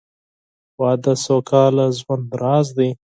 • واده د سوکاله ژوند راز دی.